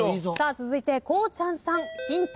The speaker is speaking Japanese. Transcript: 続いてこうちゃんさん。